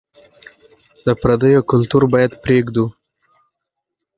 د پرديو کلتور بايد پرېږدو.